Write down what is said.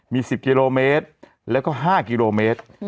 มี๑๐กิโลเมตรแล้วก็๕กิโลเมตร